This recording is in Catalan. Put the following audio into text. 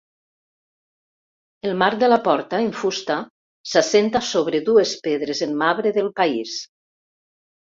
El marc de la porta, en fusta, s'assenta sobre dues pedres en marbre del país.